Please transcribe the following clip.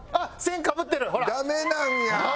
ダメなんや！